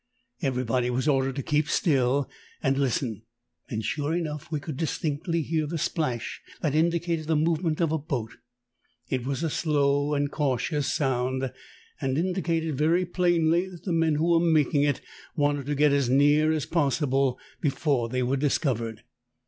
Everybody was ordered to keep still and listen, and sure enough we could distinctly hear the splash that indicated the movement of a boat. It was a slow and cautious sound, and indicated very plainh" that the men who were making it wanted to get as near as possible before they were discovered.